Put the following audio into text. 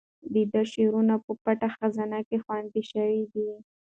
د ده شعرونه په پټه خزانه کې خوندي شوي دي.